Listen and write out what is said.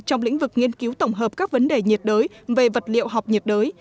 trong lĩnh vực nghiên cứu tổng hợp các vấn đề nhiệt đới về vật liệu học nhiệt đới